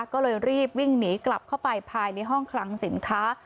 ก็เลยรีบวิ่งหนีกลับเข้าไปภายในห้องคลังสินค้า